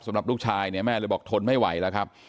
สำหรับลูกชายเนี่ยแม่เลยบอกทนไม่ไหวแล้วครับ